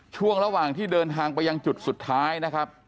ช่วงระหว่างที่เดินทางไปยังจุดสุดท้ายนะครับ